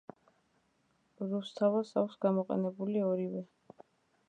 რუსთაველს აქვს გამოყენებული ორივე.